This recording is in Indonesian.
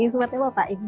semuanya mau baik